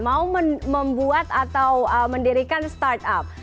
mau membuat atau mendirikan startup